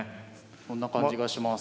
そんな感じがします。